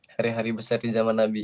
hari hari besar di zaman nabi